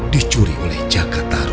dicuri oleh jakataru